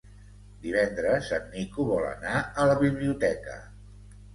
Divendres en Nico vol anar a la biblioteca.